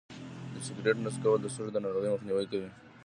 د سګرټ نه څکول د سږو د ناروغۍ مخنیوی کوي.